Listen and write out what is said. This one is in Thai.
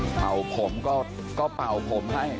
เผ่าผมก็เป่าผมให้